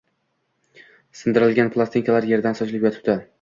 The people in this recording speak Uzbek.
sindirilgan plastinkalar yerda sochilib yotibdi.